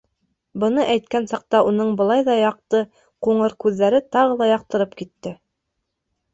Быны әйткән саҡта уның былай ҙа яҡты, ҡуңыр күҙҙәре тағы ла яҡтырып китте.